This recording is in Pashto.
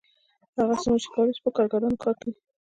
هغه څومره چې کولی شي په کارګرانو کار کوي